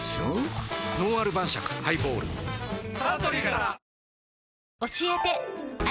「のんある晩酌ハイボール」サントリーから！